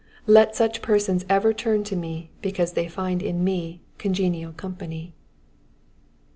Let such persons ever turn to me because they find in me congenial company.